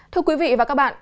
thưa quý vị và các bạn